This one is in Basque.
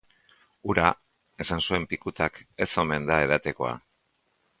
Ura, esan zuen Pikutak, ez omen da edatekoa.